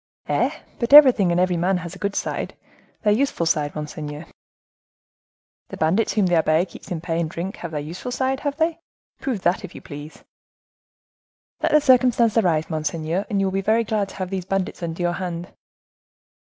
"Eh! but everything and every man has a good side—their useful side, monseigneur." "The bandits whom the abbe keeps in pay and drink have their useful side, have they? Prove that, if you please." "Let the circumstance arise, monseigneur, and you will be very glad to have these bandits under your hand."